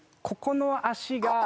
ここの足が。